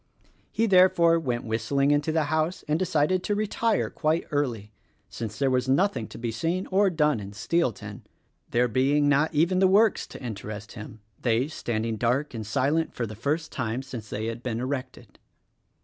He, therefore, went whistling into the house and decided to retire quite early, since there was nothing to be seen or done in Steelton — there being not even the works to interest him, — they standing dark and silent for the first time since they had been erected.